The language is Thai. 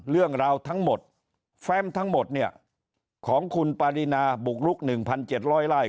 เรื่องราวทั้งหมดแฟมทั้งหมดของคุณปรินาบุรุก๑๗๐๐ลาย